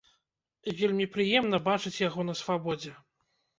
Вельмі прыемна бачыць яго на свабодзе.